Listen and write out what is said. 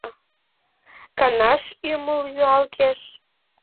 Канаш ӱмыл юалгеш!